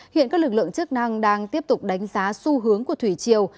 hiện các lực lượng chức năng đang tiếp tục đánh giá xu hướng của thủy chiều